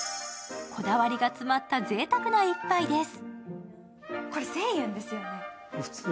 こだわりが詰まった、ぜいたくな一杯です。